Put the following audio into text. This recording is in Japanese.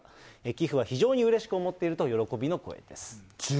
寄付は非常にうれしく思っていると喜びの声です。